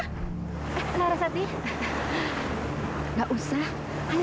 hai larasati enggak usah sebentar